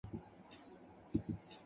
It is located within Tai Po District.